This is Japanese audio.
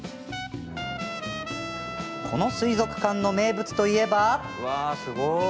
この水族館の名物といえば。